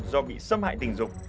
do bị xâm hại tình dục